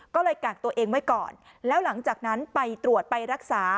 ก็เลยกักตัวเองไว้ก่อนแล้วหลังจากนั้นไปตรวจไปรักษา